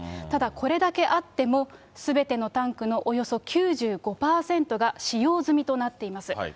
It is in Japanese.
ただこれだけあっても、すべてのタンクのおよそ９５％が使用済みとなっています。